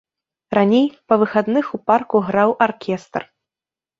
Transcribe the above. Раней па выхадных у парку граў аркестр.